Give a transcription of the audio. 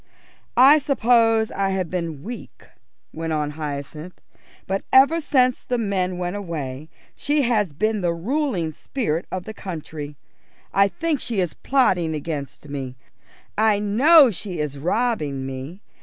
"I suppose I have been weak," went on Hyacinth, "but ever since the men went away she has been the ruling spirit of the country. I think she is plotting against me; I know she is robbing me.